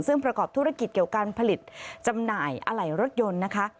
ซึ่งประกอบธุรกิจเกี่ยวการผลิตจำหน่ายอะไหล่รถยนต์นะคะ